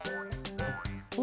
お？